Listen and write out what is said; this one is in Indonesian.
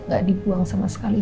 gak dibuang sama sekali